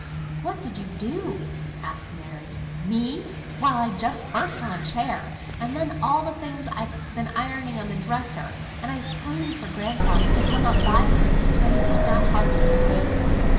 "What did you do?" asked Mary. "Me! why, I jumped first on a chair, and then on all the things I'd been ironing on the dresser, and I screamed for grandfather to come up by me, but he did not hearken to me."